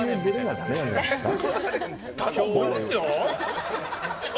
だと思いますよ！